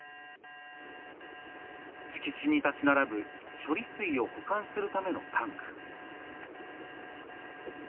敷地に立ち並ぶ処理水を保管するためのタンク。